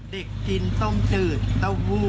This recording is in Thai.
เด็กกินต้องดืดเต้าหู้